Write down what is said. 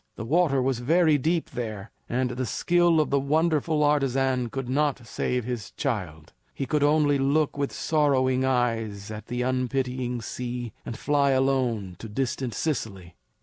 The water was very deep there, and the skill of the wonderful artisan could not save his child. He could only look with sorrowing eyes at the unpitying sea, and fly on alone to distant Sicily.